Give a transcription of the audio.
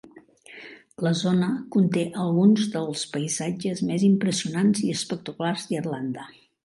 La zona conté alguns dels paisatges més impressionants i espectaculars d'Irlanda.